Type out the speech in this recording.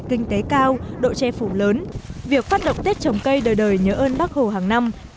kinh tế cao độ che phủ lớn việc phát động tết trồng cây đời đời nhớ ơn bác hồ hàng năm